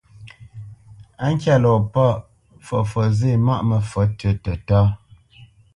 Á ŋkyá lɔ pâʼ, fəfǒt zê maʼ məfǒt tʉ́ tətá.